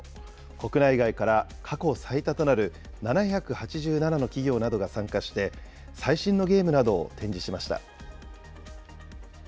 国内外から過去最多となる７８７の企業などが参加して、最新のゲームなどを展示しました。